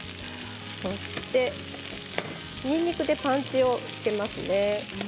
そしてにんにくでパンチをつけますね。